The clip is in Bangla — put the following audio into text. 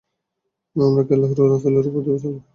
আমরা কি আল্লাহর রাসূলের উপর দিয়ে চলাফেরা করব?